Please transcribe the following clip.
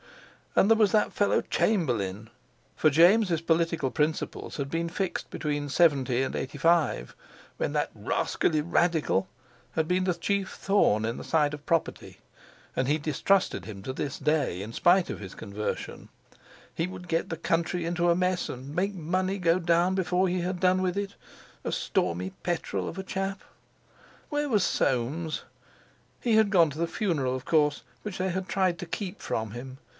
And there was that fellow Chamberlain! For James' political principles had been fixed between '70 and '85 when "that rascally Radical" had been the chief thorn in the side of property and he distrusted him to this day in spite of his conversion; he would get the country into a mess and make money go down before he had done with it. A stormy petrel of a chap! Where was Soames? He had gone to the funeral of course which they had tried to keep from him.